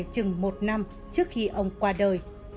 trừng một năm trước khi ông qua đời